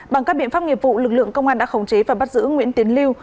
bằng các biện pháp nghiệp vụ lực lượng công an đã khống chế và bắt giữ nguyễn tiến lưu